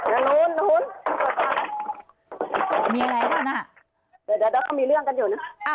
อย่าลุ้นอย่าลุ้นมีอะไรบ้างน่ะเดี๋ยวเขามีเรื่องกันอยู่น่ะ